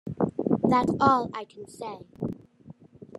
'That's all I can say.